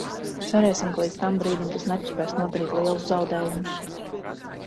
Cerēsim, ka līdz tam brīdim tas nepaspēs nodarīt lielus zaudējumus.